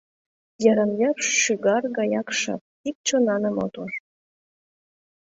Йырым-йыр шӱгар гаяк шып, ик чонаным от уж.